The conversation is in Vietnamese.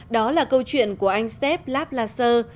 đó là câu chuyện của anh steph laplasser